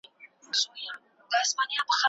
د اسلام تاریخ د عبرتونو او درسونو څخه ډک دی.